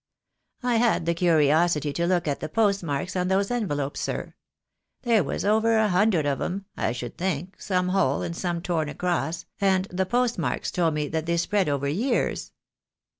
"I had the curiosity to look at the post marks on those envelopes, sir. There was over a hundred of 'em, I should think, some whole, and some torn across, and the post marks told me that they spread over years.